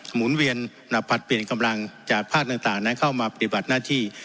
หมุนเวียนผลัดเปลี่ยนกำลังจากภาคต่างนั้นเข้ามาปฏิบัติหน้าที่